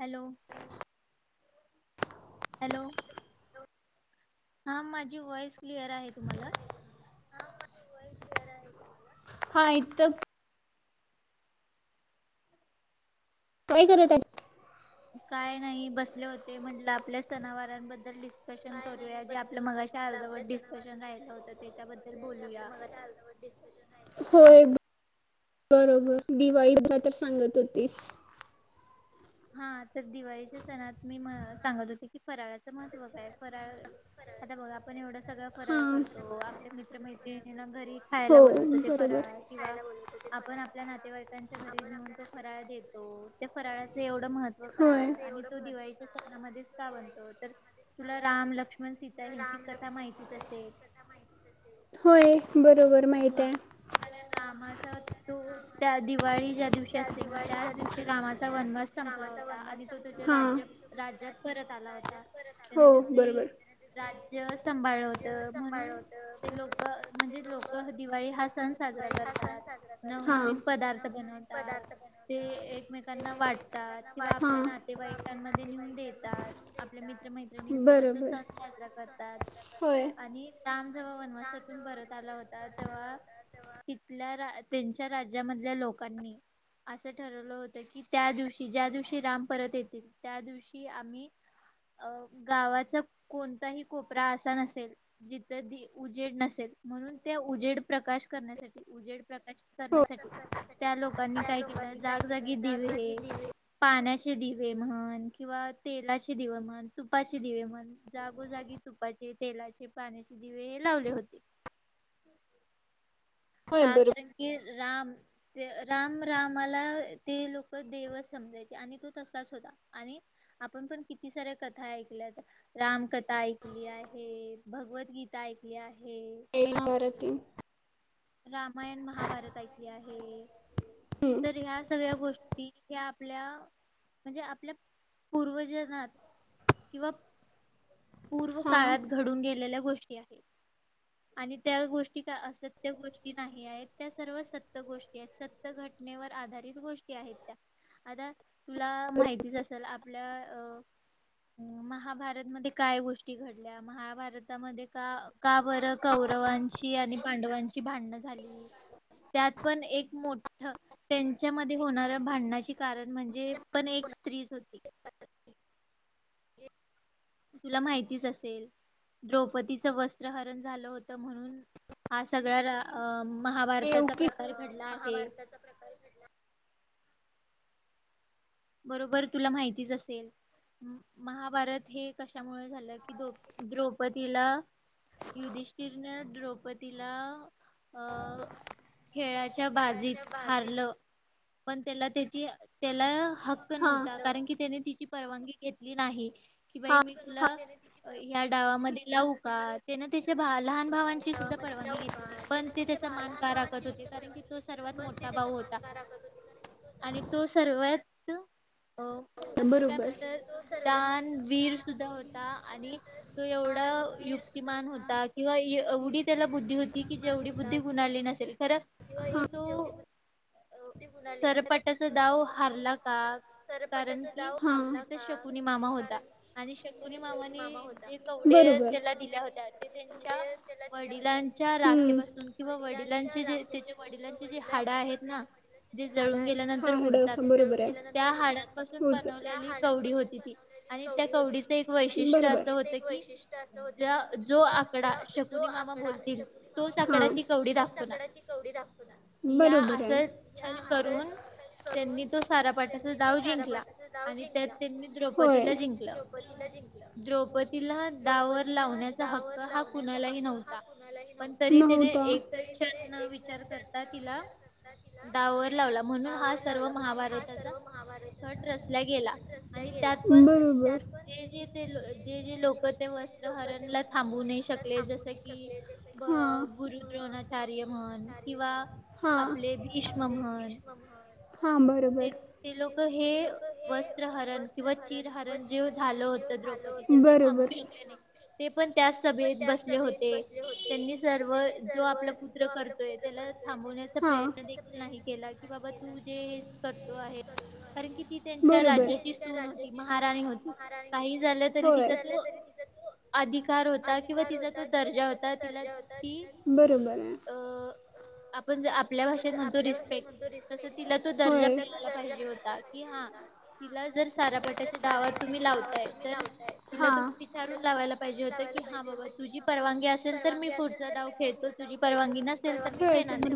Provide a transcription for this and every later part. Hello. Hello. हा माझी voice clear आहे मला. हा एक त. काय करत आहे. काय नाही बसले होते म्हंटलं आपल्या सनावरांबद्दल डिस्कशन करूया जे आपल्या मगशी. ते अर्धवट डिस्कशन राहिलं होतं त्याच्याबद्दल बोलूया. ते अर्धवट डिस्कशन. होय बरोबर दिवाळी तर सांगत होतीस. हा तर दिवाळीच्या सणत मी सांगत होते की फराळाचं महत्त्व काय फराळ. आता बघ आपण एवढं. सगळ फराळ करतो आपल्या मित्रमैत्रिणीं घरी खायला बोलवतो ते फराळ. किंवा आपण आपल्या नातेवाईकांच्या घरी नेऊन तो फराळ देतो त्या फराळच. एवढं महत्त्व का आणि तो दिवाळीच्या सणामध्येच का बनतो तर. तुला राम लक्ष्मण सीता हची कथा माहितीच असते. होय बरोबर. हा रामाचा तो त्या दिवाळीच्या ज्या दिवशी असते. त्याच दिवशी रामाचा वनवास संपला होता आणि तो तुझे राज्य. राज्यात परत आला होता. हो बरोबर. राज्य सांभाळलं होत म्हणून ते लोक म्हणजे लोक. तो दिवाळी हा सण साजरा करतात नवनवीन पदार्थ बनवतात. ते एकमेकांना वाटतात किंवा आपले नातेवाईकांमध्ये नेऊन देतात. आपल्या मित्रमैत्रिणींसोबत तो सण साजरा करतात आणि. राम जेव्हा वनवासातून परत आला होता तेव्हा. तिथल्या रा त्यांच्या राज्यामधल्या लोकांनी. असं ठरवलं होतं की त्या दिवशी ज्या दिवशी राम परत येतील त्या दिवशी. की आम्ही अ गावाचा कोणताही कोपरा असा नसेल. जिथं ती उजेड नसेल म्हणून त्या उजेड प्रकाश करण्यासाठी उजेड प्रकाश. करण्यासाठी त्या लोकांनी काय केलं जागजागी दिवे. पाण्याचे दिवे म्हण किंवा तेलाचे दिवे म्हण तुपाचे दिवे म्हण. जागोजागी तुपाचे तेलाचे पाण्याचे दिवे हे लावले होते. का करण की राम. ते राम रामाला ते लोक देव समजायचे आणि तो तसाच होता. आणि आपण पण किती साऱ्या कथा ऐकल्यात. रामकथा ऐकली आहे भगवत गीता ऐकली आहे. तेन मरतील. रामायण महाभारत ऐकली आहे. ह्या सगळ्या गोष्टी हे आपल्या म्हणजे आपल्या पूर्वजनात. किंवा पूर्व काळात घडून गेलेल्या गोष्टी आहेत. आणि त्या गोष्टी का असत्य गोष्टी नाही आहेत त्या सर्व सत्य गोष्टी आहेत सत. त्या घटनेवर आधारित गोष्टी आहेत त्या आता. तुला माहितीच असेल आपल्या अ महाभारत मध्ये. काय गोष्टी घडल्या. महाभारतामध्ये का का बर कौरवांची आणि पांडवांची भांडण झाली. त्यात पण एक मोठ. त्यांच्यामध्ये होणारऱ्या भांडणाची कारण म्हणजे पण एक स्त्रीच होती. तुला माहितीच असेल. द्रौपतीचं वस्त्रहरण झालं होतं म्हणून हा सगळा अ महाभारताचा प्रकार घडला आहे. बरोबर तुला माहितीच असेल. महाभारत हे कशामुळे झालं की द द्रौपतीला युधिष्ठिरन द्रौपतीला अं खेळाच्या बाजीत हारलं. पण त्याला त्याची त्याला हक्क नव्हता कारण की त्यांनी तिची परवानगी घेतली नाही कि बाई मी तुला या डावामध्ये लऊ का? त्यान तिच्या भा लहान भावांची सुद्धा परवानगी घेतली पण ते त्याचा मान का राखत होती कारण की तो सर्वात मोठा भाऊ होता. आणि तो सर्वात अ असं काय म्हणत दान, वीर सुद्धा होता आणि तो एवढा युक्ती मान होता किंवा एवढी त्याला बुद्धी होती कि जेवढी बुद्धी कुणाली नसेल खरं तो तो, सरपटाचा दाव हारला का? कारण कि तिथं शकुनी मामा होता आणि शकुनी मामाने जे कवडे त्याला दिल्या होत्या ते त्यांच्या वडिलांच्या राखेपासून किंवा वडिलांचे जे त्याचे वडिलांचे जे हाडं आहेत ना. जे जळून गेल्यानंतर उरतात. बरोबर आहे. त्या हाडांपासून बनवलेली कवडी होती ती आणि त्या कवडीचं एक वैशिष्ट्य असं होतं की ज जो आकडा शकुनी मामा बोलतील तोच आकडा ती कवडी दाखवणार. या असल छल करून त्यांनी तो सारापाटाचा डाव जिंकला आणि त्यात त्यांनी द्रौपतीला जिंकलं. द्रौपतीला दावर लावण्याचा हक्क हा कुणालाही नव्हता पण तरी त्याने एक [unintelligible] विचारतात. आता तिला दावर लावला म्हणून हा सर्व महाभारताचा खट रचल्या गेला आणि त्यात पण बरोबर. जे जे ते जे जे लोक ते वस्त्रहरणला थांबू नाही शकले जसं की ब गुरुद्रोणाचार्य म्हण किंवा आपले भीष्म म्हण. हां बरोबर. ते लोक हे वस्त्र हरण किंवा चिरहरण जे झालं होतं द्रौपती. तेथे थांबू शकले नाही ते पण त्या सभेत बसले होते त्यांनी सर्व जो आपल पुत्र करतोय त्याला थांबवण्याचा प्रयत्न देखील नाही केला की बाबा तू जे हे करतो आहे. कारण की ती त्यांच्या राज्याची सुन होती महाराणी होती काही झालं तरी तिचा तो अधिकार होता किंवा तिचा तो दर्जा होता तिला ती अं. आपण जे आपल्या भाषेत म्हणतो रिस्पेक्ट तसा तिला तो दर्जा मिळाला. पाहिजे होता की हा तिला जर सारापाटाच्या डावा तुम्ही लावताय तर तिला तुम्ही विचारून लावायला पाहिजे होतं की हा बाबा तुझी परवानगी असेल तर मी फ तुझा डाव खेळतो तुझी परवानगी नसेल तर मी खेळणार नाही.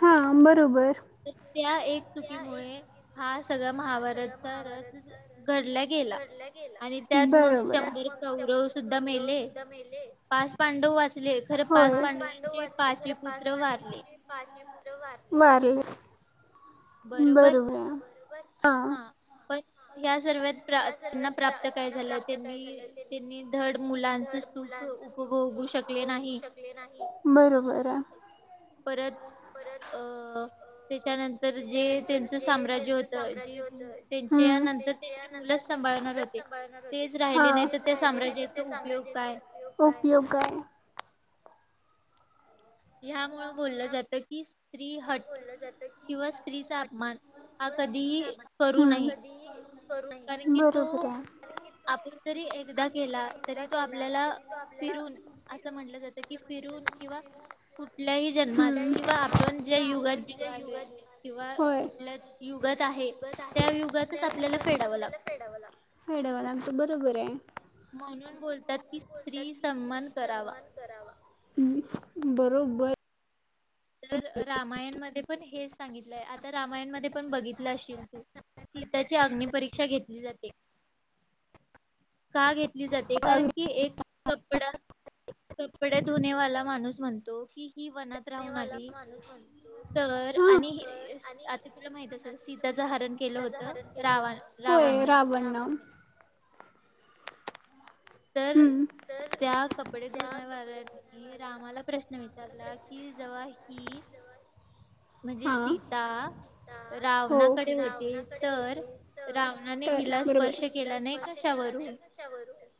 हां बरोबर. तर त्या एक चुकीमुळे हा सगळा महाभारत नंतर [unintelligible] घडला गेला. आणि त्यात मग शंभर कौरव सुद्धा मेले. पाच पांडव वाचले खर पाच पांडवांचे पाचीपुत्र वारले. पाचही पुत्र वारले वारले बरोबर बरोबर हा. पण ह्या सर्वात प्रा त्यांना प्राप्त काय झालं त्यांनी त्यांनी धड मुलांच सुख उपभोगू शकले नाही. शकले नही बरोबर आहे. परत अं त्याच्यानंतर जे त्यांचं साम्राज्य होत जे त्यांच्या नंतर ते मुलंच सांभाळणार होते तेच राहिले नाही तर त्या साम्राज्याचा उपयोग काय. उपयोग काय? ह्यामुळ बोलल जात की स्त्री हट किंवा स्त्रीचा अपमान हा कधीही करू नये. कारण की तो आपण जरी एकदा केला तरी तो आपल्याला फिरून असं म्हटलं जातं कि फिरून किंवा कुठल्याही जन्मात किंवा आपण ज्या युगात जिवालोय. किंवा कुठल्या युगात आहे त्या युगातच आपल्याला फेडावं लागतं. फेडाव लागत फेडाव लागत बरोबर आहे. म्हणून बोलतात की स्त्री सन्मान करावा. करावा हम्म बरोबर! तर रामायणमध्ये पण हेच सांगितलंय आता रामायणमध्ये पण बघितलं असशील तू सीताची अग्निपरीक्षा घेतली जाते. का घेत जाते कारण की एक कपडा कपडा धुणेवाला माणूस म्हणतो. कि ही वनात राहून आली तर आणि आता तुला माहित असेल. सीताचं हरण केलं होतं राव- रावणने. हम! त्या कपडे धुण्यावालयाने. की रामाला प्रश्न विचारला कि जव्हा हि म्हणजे सीता रावणाकडे होती तर रावणाने हिला स्पर्श केला नाही कशावरून? कशावरून.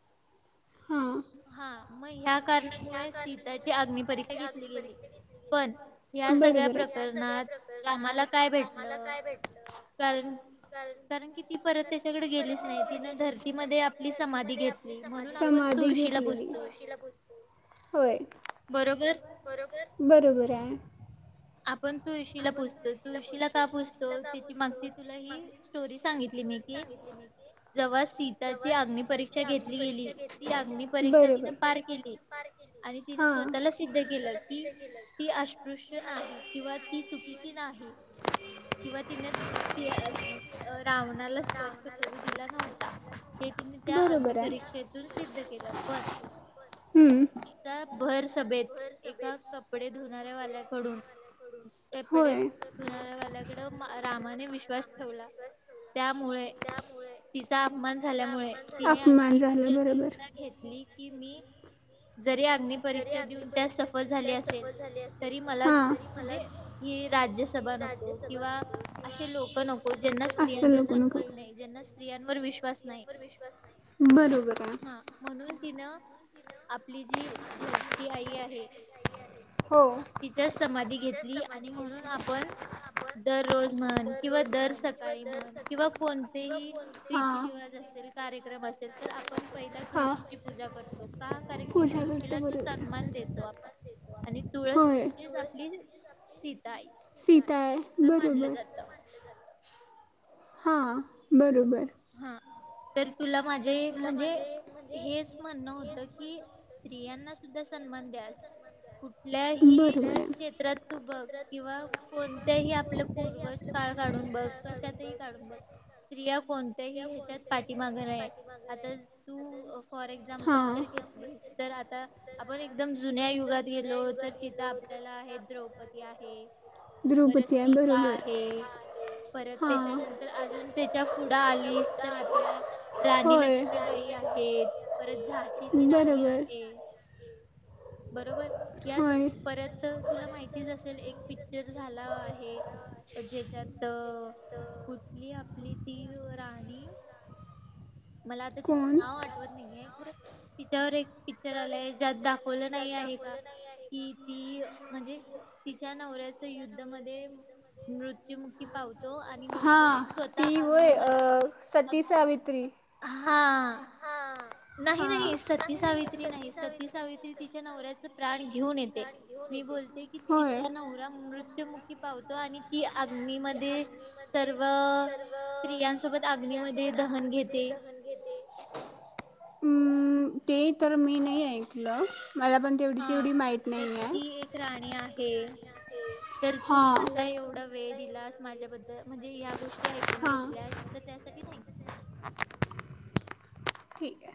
हां. हा मग ह्या कारणामुळे सीताची अग्निपरीक्षा घेतली गेली पण या सगळ्या प्रकरणात रामाला काय भेटलं? काय भेटत? परत त्यांच्याकडे गेलीच नाही धरतीमध्ये आपली समाधी घेतलेले होय. ब बरोबर आहे! आपण तुळशीला पुजतो तुळशीला का पुसतो त्याची मागती तुला हि स्टोरी सांगितली मी की. जव्हा सीताची अग्निपरीक्षा घेतली गेली ती अग्निपरीक्षा तिनें पार केली. आणि तिने स्वतःला सिद्ध केलं की ती अस्पृश्य नाही किंवा ती चुकीची नाही. किंवा तिन तीअ अ रावणाला स्पर्श करू दिला नव्हता. हे तिने त्या अग्नि परीक्षेतून सिद्ध केलं पण हम्म! तीचा भर सभेत एका कपडे धुणाऱ्या वाल्याकडून कपडे धुणाऱ्या वाचल्याकडं रामाने विश्वास ठेवला. त्यामुळे तिचा अपमान झाल्यामुळे तिने अशी प्रतिज्ञा घेतली. कि मी जरी अग्नि परीक्षा देऊन त्यात सफल झाली असेल तरी मला म्हणजे की राज्यसभा नको किंवा असे लोक नको ज्यांना स्त्रियांचा सन्मान नाही. ज्यांना स्त्रियांवर विश्वास नाही. बरोबर आहे. म्हणून तिनं आपली जी धरती आई आहे. हो. तिच्याच समाधी घेतली आणि म्हणून आपण दररोज म्हण किंवा दर सकाळी म्हण. किंवा कोणतेही रीतीरिवाज असेल कार्यक्रम असेल तर आपण पहिल्या तुळशी पूजा करतो. का कारण की तुळशीला जो सन्मान देतो आपण आणि तुळस म्हणे आपली सीताई. सीता आहे बरोबर. हां बरोबर! तर तुला माझे म्हणजे. हेच म्हणणं होतं की स्त्रियांना सुद्धा सन्मान द्यास. कुठल्याही क्षेत्रात. बघ किंवा कोणत्याही आपलं पूर्वज काळ काढून बस कशातही काढून बघ. स्त्रिया कोणत्याही ह्याच्यात. पाठीमाग आहे आता तू फॉर एक्झाम्पल तर घेतलीस. तर आता आपण एकदम जुन्या युगात गेलो तर तिथं आपल्याला आहे द्रौपदी आहे. परत सीता आहे. परत त्याच्यानंतर तर अजून त्याच्या पुढं आलीस तर आपल्या राणी लक्ष्मी बाई आहेत परत झाशीची राणी आहे. बरोबर याच परत तुला माहितीच असेल एक पिक्चर झाला आहे. ज्याच्यात कुठली आपली ती राणी मला आता तिचं नाव आठवत नाहीये खरं तिच्यावर एक किचचन आलंय ज्यात दाखवलं नाही आहे का कि ती म्हणजे तिच्या नवऱ्याच्या युद्ध मध्ये मृत्युमुखी पावतो आणि मग ती वय सती सावित्री. हा. नाही नाही सतती सावित्री नाही सतती सावित्री तिच्या नवऱ्याच प्राण घेऊन येते मी बोलते. तिचा नवरा मृत्युमुखी पाहतो आणि ती अग्नी मध्ये सर्व स्त्रियांसोबत आग्नीमध्ये दहन घेते. हम् ते तर मी नाहीएक लं मला पण तेवढी तेवढी माहीत नाही आहे. प्रणी आहे तर तू मला एवढा वेळ दिलास माझ्याबद्दल म्हणजे या्या गोष्टी ऐकून घेतल्या तर त्यासाठी थँक्यु. ठीक आहे.